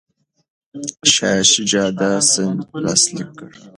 شاه شجاع دا سند لاسلیک کړ.